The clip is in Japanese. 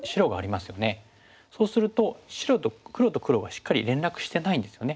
そうすると黒と黒がしっかり連絡してないんですよね。